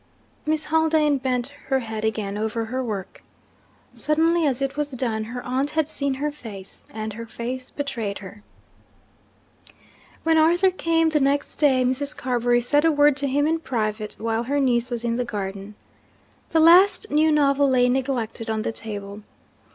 Miss Haldane bent her head again over her work. Suddenly as it was done, her aunt had seen her face and her face betrayed her. When Arthur came the next day, Mrs. Carbury said a word to him in private, while her niece was in the garden. The last new novel lay neglected on the table.